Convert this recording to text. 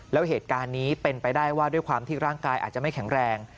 แล้วเหตุการณ์นี้เป็นไปได้ว่าด้วยความที่ร่างกายอาจจะไม่แข็งแรง